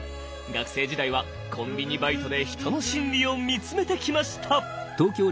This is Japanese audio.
学生時代はコンビニバイトで人の心理を見つめてきました！